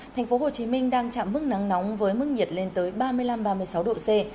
thành phố hồ chí minh đang chạm mức nắng nóng với mức nhiệt lên tới ba mươi năm ba mươi sáu độ c